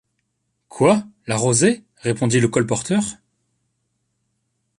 Quoi... la rosée? répondit le colporteur.